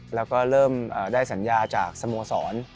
แล้วก็เริ่มได้สัญญาจากสโมสร